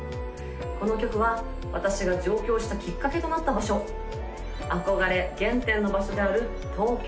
この曲は私が上京したきっかけとなった場所憧れ原点の場所である東京